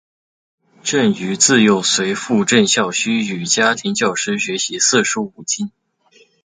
郑禹自幼随父郑孝胥与家庭教师学习四书五经。